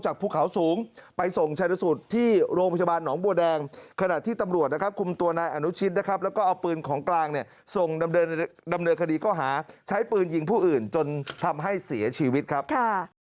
ช่วยเอาร่างเนี่ยส่งดำเนินดำเนินคดีก็หาใช้ปืนยิงผู้อื่นจนทำให้เสียชีวิตครับค่ะ